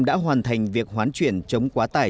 đã hoàn thành việc hoán chuyển chống quá tải